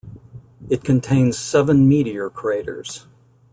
It contains seven meteor craters.